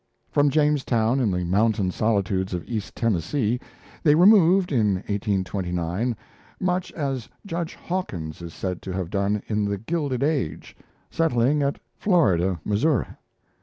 From Jamestown, in the mountain solitudes of East Tennessee, they removed in 1829, much as Judge Hawkins is said to have done in 'The Gilded Age', settling at Florida, Missouri.